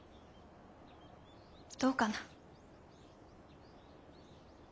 どうかな。